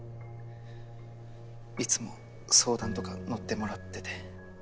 いつも相談とか乗ってもらってて。